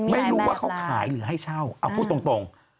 ไม่รู้ว่าเขาขายหรือให้เช่าเอาพูดตรง